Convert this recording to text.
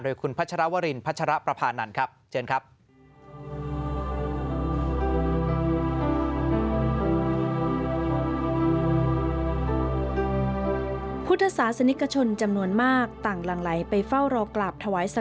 โดยคุณพัชรวรินพัชรประพานั่นครับ